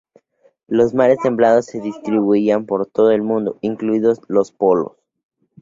Los mares templados se distribuían por todo el mundo, incluidos los polos.